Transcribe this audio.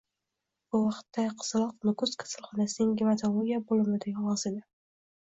Bu vaqtda Qizaloq Nukus kasalxonasining gematologiya bo'limida yolg'iz edi